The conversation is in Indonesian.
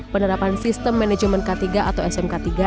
penerapan sistem manajemen k tiga atau smk tiga